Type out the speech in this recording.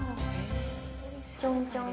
ちょんちょん。